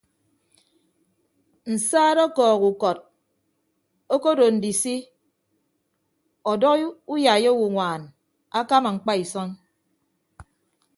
Nsaat ọkọọk ukọt okodo ndisi ọdọ uyai owoññwaan akama ñkpa isʌñ.